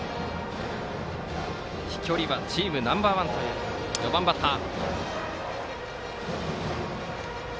飛距離はチームナンバー１という４番バッター。